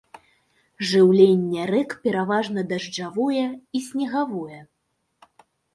Жыўленне рэк пераважна дажджавое і снегавое.